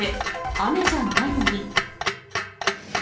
雨じゃないのに。